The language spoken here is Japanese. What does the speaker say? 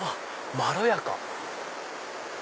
まろやか。